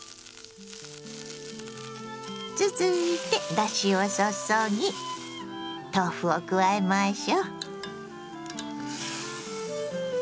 続いてだしを注ぎ豆腐を加えましょ。